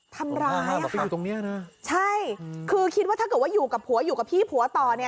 ทำร้ายอะค่ะใช่คือคิดว่าถ้าเกิดว่าอยู่กับผัวอยู่กับพี่ผัวต่อเนี่ย